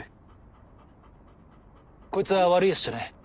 こいつは悪いやつじゃねえ。